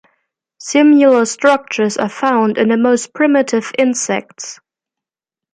Similar structures are found in the most primitive insects.